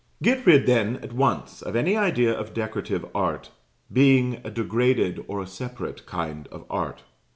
Get rid, then, at once of any idea of Decorative art being a degraded or a separate kind of art.